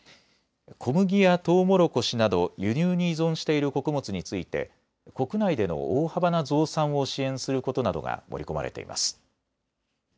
小麦やトウモロコシなど輸入に依存している穀物について国内での大幅な増産を支援することなどが盛り込まれています。